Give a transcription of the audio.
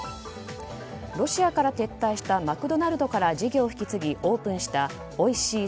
ロシアから撤退したマクドナルドから事業を引き継ぎオープンした「おいしい。